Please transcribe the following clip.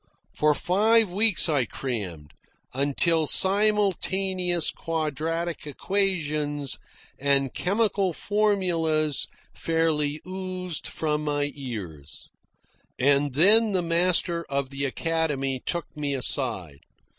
For five weeks I crammed, until simultaneous quadratic equations and chemical formulas fairly oozed from my ears. And then the master of the academy took me aside.